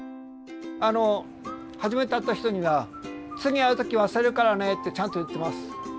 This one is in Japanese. あの初めて会った人には「次会う時忘れるからね」ってちゃんと言ってます。